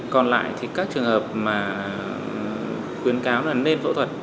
còn lại thì các trường hợp mà khuyến cáo là nên phẫu thuật